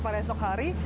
pada esok hari